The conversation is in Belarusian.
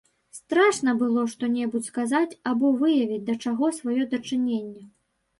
Страшна было што-небудзь сказаць або выявіць да чаго сваё дачыненне.